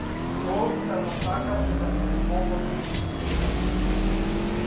Тој само сакаше да му се погоди на него.